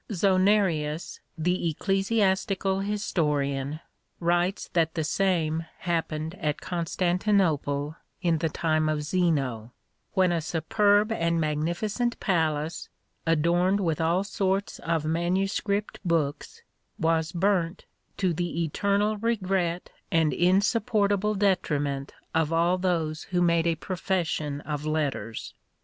Zonarius, the ecclesiastical historian, writes that the same happened at Constantinople in the time of Zeno, when a superb and magnificent palace, adorned with all sorts of manuscript books, was burnt, to the eternal regret and insupportable detriment of all those who made a profession of letters.